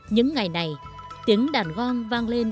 những ngày này tiếng đàn gong vang lên